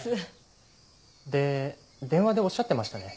で電話でおっしゃってましたね